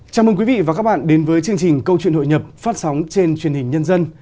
chào mừng quý vị và các bạn đến với chương trình câu chuyện hội nhập phát sóng trên truyền hình nhân dân